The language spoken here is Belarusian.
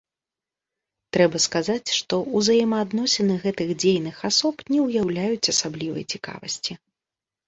Трэба сказаць, што ўзаемаадносіны гэтых дзейных асоб не ўяўляюць асаблівай цікавасці.